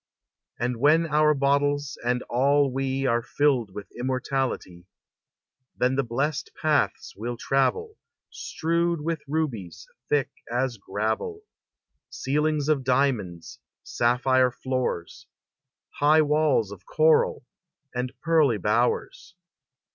And when our bottles and all we Are filled with immortality, Then the blest paths we'll travel, Strewed with rubies thick as gravel, Ceilings of diamonds, sapphire floors. High walls of coral, and pearly bowers.